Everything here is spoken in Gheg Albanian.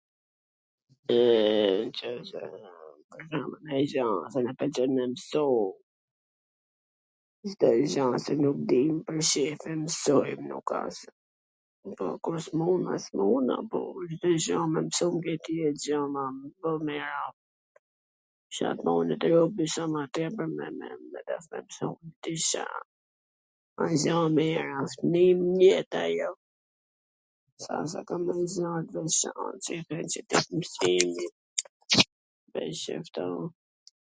.. njw gja se na pwlqen me msu Cdo gja se nuk dim, ... edhe msojm... po kur s munesh ... puna t bo Cdo gja me msu n Greqi .... Ca t bonet robi sa ma tepwr me msu... di gja... a gja e mir, asht nim n jet ajo...